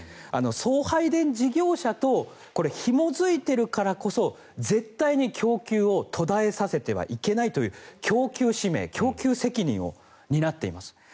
送配電事業者とひも付いているからこそ絶対に供給を途絶えさせてはいけないという供給使命、供給責任を担っています。